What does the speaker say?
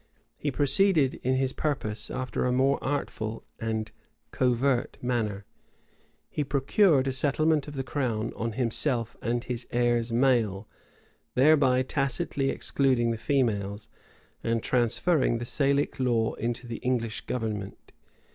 He proceeded in his purpose after a more artful and covert manner. He procured a settlement of the crown on himself and his heirs male,[*] thereby tacitly excluding the females, and transferring the Salic law into the English government.